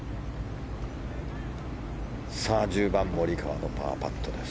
１０番モリカワのパーパットです。